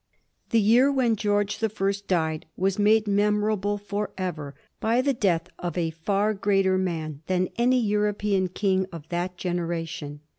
The year when George the First died was made memorable for ever by the death of a far greater man than any European king of that generation.